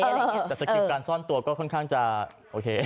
แต่สกิปการซ่อนตัวก็ค่อนข้างจะโอเค